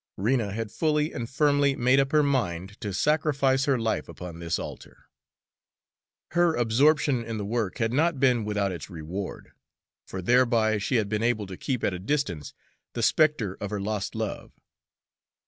Rena had fully and firmly made up her mind to sacrifice her life upon this altar. Her absorption in the work had not been without its reward, for thereby she had been able to keep at a distance the spectre of her lost love.